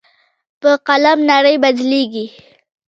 په قلم نړۍ بدلېږي.